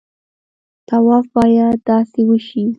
طواف باید داسې وشي.